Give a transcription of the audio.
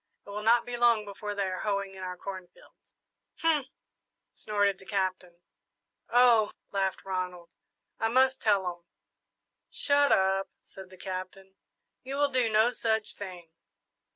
It will not be long before they are hoeing in our corn fields.'" "Humph!" snorted the Captain. "Oh!" laughed Ronald, "I must tell 'em!" "Shut up," said the Captain; "you will do no such thing!"